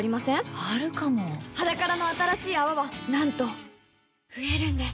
あるかも「ｈａｄａｋａｒａ」の新しい泡はなんと増えるんです